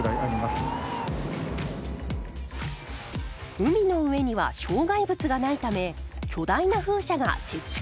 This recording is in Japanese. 海の上には障害物がないため巨大な風車が設置可能です。